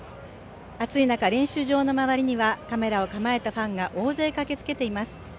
暑い中、練習場の周りにはカメラをかまえたファンが大勢駆けつけています。